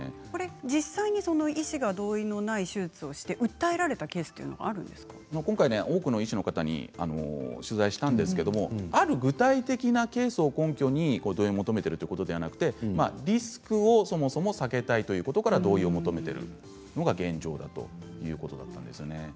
実際に医師が同意のない手術をして訴えられたケースは多くの医師の方に今回、取材したんですけれどある具体的なケースを根拠に同意を求めているということではなくてリスクをそもそも避けたいということから同意を求めているのが現状だということだったんですね。